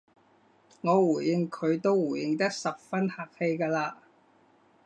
我回應佢都回應得十分客氣㗎喇